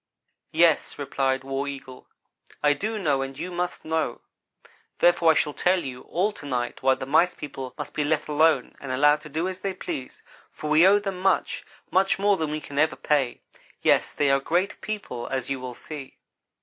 "Yes," replied War Eagle, "I do know and you must know. Therefore I shall tell you all to night why the Mice people must be let alone and allowed to do as they please, for we owe them much; much more than we can ever pay. Yes they are great people, as you will see.